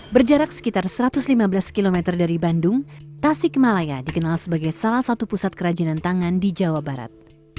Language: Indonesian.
berjarak sekitar satu ratus lima belas km dari bandung tasik malaya dikenal sebagai salah satu pusat kerajinan tangan di jawa barat